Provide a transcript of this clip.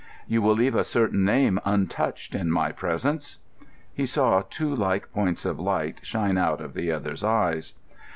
"You will leave a certain name untouched in my presence." He saw two like points of light shine out in the other's eyes.